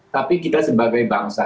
tapi kita sebagai bangsa